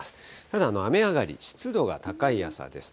ただ、雨上がり、湿度が高い朝です。